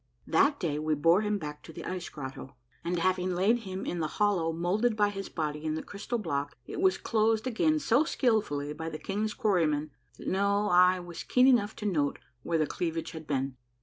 That day we bore him back to the ice grotto, and having laid him in the hollow moulded by his body in the crystal block, it was closed again so skilfully by the king's quarrymen that no eye was keen enough to note where the cleavage had been.